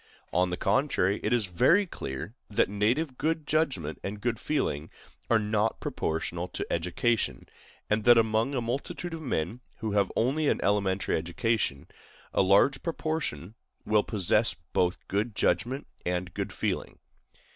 On the contrary, it is very clear that native good judgment and good feeling are not proportional to education, and that among a multitude of men who have only an elementary education, a large proportion will possess both good judgment and good feeling.